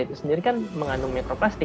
itu sendiri kan mengandung mikroplastik